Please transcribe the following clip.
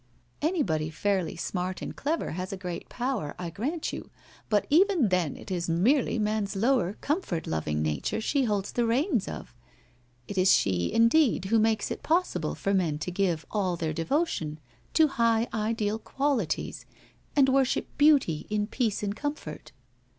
Anybody fairly smart and clever has a great power, I grant you, but even then, it is merely man's lower comfort loving nature she holds the reins of. It is she, indeed, who makes it possible for men to give all their devotion to high ideal qualities, and worship beauty in peace and comfort.